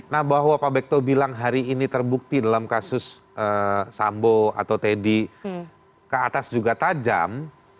nah bahwa pak bekto bilang hari ini terbukti dalam kasus sambo atau teddy ke atas juga tajam